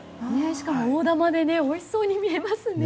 しかも大玉でおいしそうに見えますね。